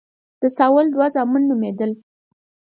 د ساول دوه زامن نومېدل.